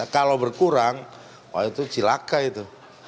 kalau berkurang wah itu celaka itu